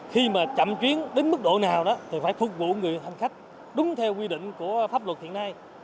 khi mà chậm chuyến đến mức độ nào đó thì phải phục vụ người hành khách đúng theo quy định của pháp luật hiện nay